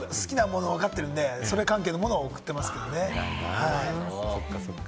好きなものがわかってるんで、それ関係を送ってますけどね。